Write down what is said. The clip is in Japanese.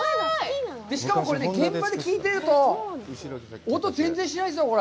しかもこれね、現場で聞いてると、音、全然しないんですよ、これ。